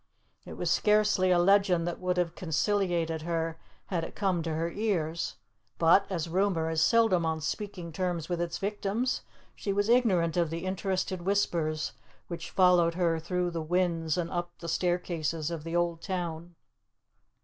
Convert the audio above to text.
It was scarcely a legend that would have conciliated her had it come to her ears, but, as rumour is seldom on speaking terms with its victims, she was ignorant of the interested whispers which followed her through the wynds and up the staircases of the Old Town.